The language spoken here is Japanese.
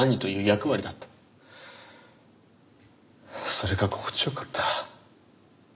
それが心地良かった。